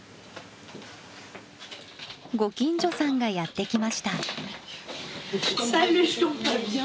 ご近所さんがやって来ました。